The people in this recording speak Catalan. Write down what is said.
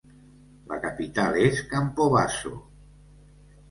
La capital és Campobasso.